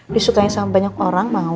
disukainya sama banyak orang mau